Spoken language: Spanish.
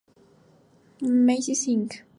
Macy's Inc.